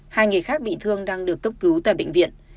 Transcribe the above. hai người khác bị thương đang được cấp cứu tại bệnh viện